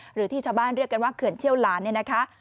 หรือที่ชาวบ้านเรียกกันว่าเขื่อนเชี่ยวหลานเนี่ยนะคะ